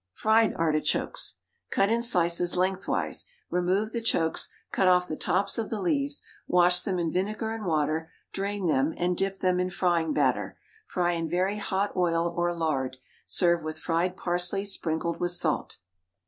Fried Artichokes. Cut in slices lengthwise; remove the chokes, cut off the tops of the leaves, wash them in vinegar and water, drain them, and dip them in frying batter. Fry in very hot oil or lard. Serve with fried parsley sprinkled with salt.